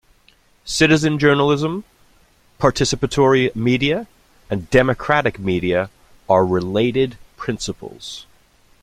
Citizen journalism, participatory media and democratic media are related principles.